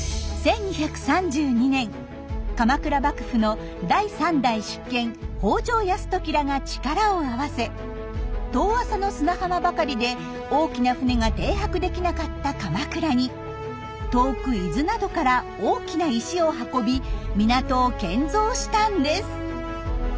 １２３２年鎌倉幕府の第三代執権北条泰時らが力を合わせ遠浅の砂浜ばかりで大きな船が停泊できなかった鎌倉に遠く伊豆などから大きな石を運び港を建造したんです。